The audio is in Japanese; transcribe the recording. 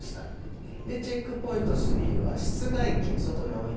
チェックポイント３は室外機。